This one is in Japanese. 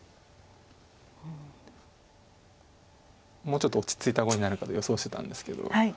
もうちょっと落ち着いた碁になるかと予想してたんですけど。